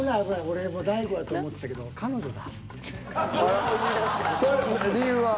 俺大悟やと思ってたけどはははは。